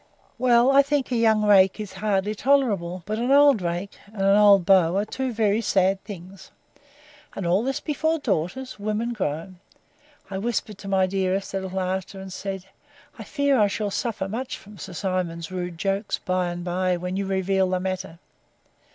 Well, I think a young rake is hardly tolerable; but an old rake, and an old beau, are two very sad things!—And all this before daughters, women grown!—I whispered my dearest, a little after, and said, I fear I shall suffer much from Sir Simon's rude jokes, by and by, when you reveal the matter.